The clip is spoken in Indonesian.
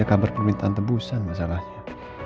gak ada kabar permintaan tebusan misalnya